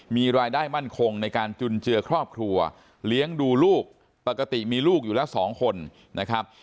มีรายได้มั่นคงในการจุนเจือครอบครัวเลี้ยงดูลูกปกติมีลูกอยู่แล้วสองคนนะครับ